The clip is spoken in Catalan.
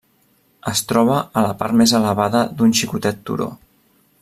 Es troba a la part més elevada d'un xicotet turó.